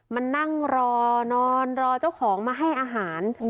มานั่งรอนอนรอเจ้าของมาให้อาหาร